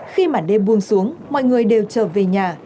khi màn đêm buông xuống mọi người đều trở về nhà